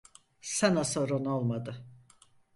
Sana soran olmadı.